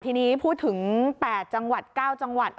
ทีนี้พูดถึง๘จังหวัด๙จังหวัด